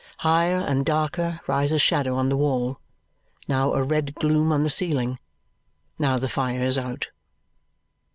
Higher and darker rises shadow on the wall now a red gloom on the ceiling now the fire is out.